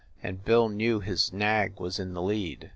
and Bill knew his nag was in the lead.